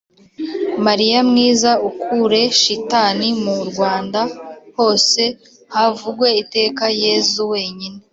Mariya mwiza ukure shitani mu Rwanda hose havugwe iteka yezu wenyine